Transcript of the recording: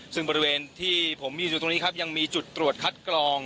ซึ่งบริเวณที่ผมมีอยู่ตรงนี้ครับยังมีจุดตรวจคัดกรอง